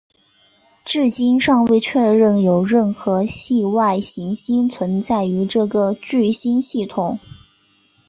至今尚未确认有任何系外行星存在于这个聚星系统。